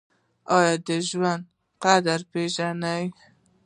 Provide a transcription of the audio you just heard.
ایا د ژوند قدر پیژنئ؟